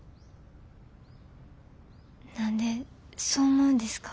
何でそう思うんですか？